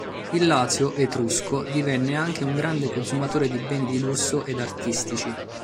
Il Lazio "etrusco" divenne anche un grande consumatore di beni di lusso ed artistici.